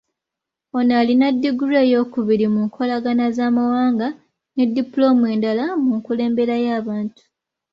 Ono alina ddiguli eyookubiri mu nkolagana z’amawanga ne ddipulooma endala mu nkulembera y’abantu.